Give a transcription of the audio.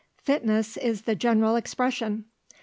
Fitness is the general expression!